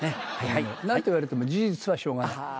何て言われても事実はしょうがない。